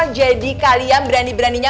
jadi kalian berani beraninya